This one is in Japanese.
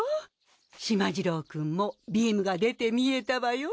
しまじろうくんもビームが出て見えたわよ。